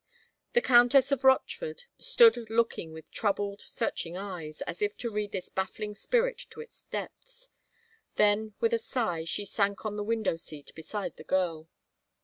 The Countess of Rochford stood looking with troubled, searching eyes, as if to read this baffling spirit to its depths. Then, with a sigh, she sank on the window seat beside the girl.